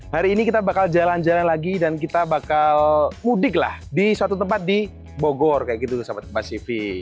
hari ini kita bakal jalan jalan lagi dan kita bakal mudik lah di suatu tempat di bogor kayak gitu sama mbak sivi